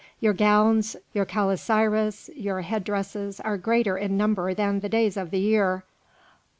Your gowns, your calasiris, your head dresses are greater in number than the days of the year.